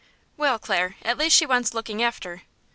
"Well, Clare, at least she wants looking after."